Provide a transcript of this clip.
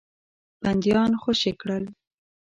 بندیان خوشي کړل.